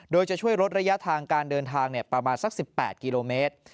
โดยจะช่วยลดระยะทางการเดินทางประมาณสัก๑๘กิโลเมตร